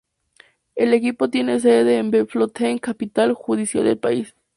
El equipo tiene sede en Bloemfontein capital judicial del país.